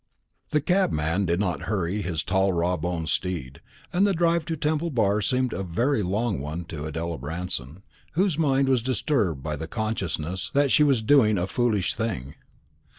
The cabman did not hurry his tall raw boned steed, and the drive to Temple bar seemed a very long one to Adela Branston, whose mind was disturbed by the consciousness that she was doing a foolish thing.